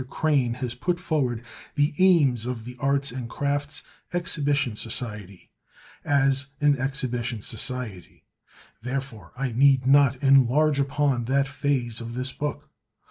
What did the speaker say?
Crane has put forward the aims of the Arts and Crafts Exhibition Society as an Exhibition Society, therefore I need not enlarge upon that phase of this book.